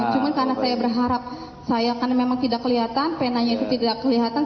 cuma karena saya berharap saya karena memang tidak kelihatan penanya itu tidak kelihatan